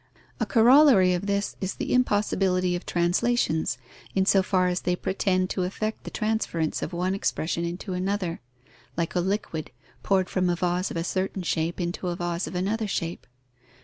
_ A corollary of this is the impossibility of translations, in so far as they pretend to effect the transference of one expression into another, like a liquid poured from a vase of a certain shape into a vase of another shape.